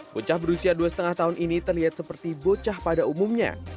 bocah berusia dua lima tahun ini terlihat seperti bocah pada umumnya